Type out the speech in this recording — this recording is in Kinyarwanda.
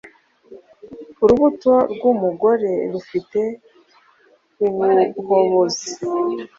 Urubuto rwumugore, rufite ubuhobozi